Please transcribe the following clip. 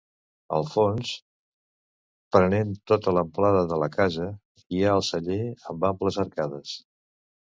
Al fons, prenent tota l'amplada de la casa, hi ha el celler amb amples arcades.